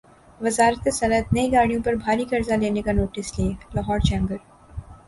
وزارت صنعت نئی گاڑیوں پر بھاری قرضہ لینے کا ںوٹس لے لاہور چیمبر